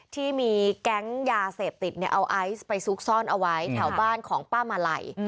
ที่มีแก๊งยาเสพติดเอาไอซ์ไปซุกซ่อนเอาไว้แถวบ้านของป้ามาลัย